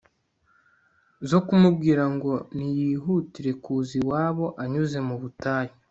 zo kumubwira ngo niyihutire kuza iwabo anyuze mu butayu